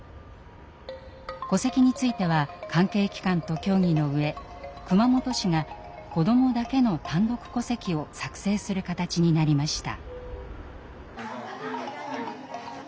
戸籍については関係機関と協議の上熊本市が子どもだけの「単独戸籍」を作成する形になりました。